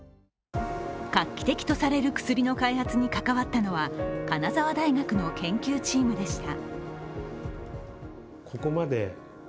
画期的とされる薬の開発に関わったのは金沢大学の研究チームでした。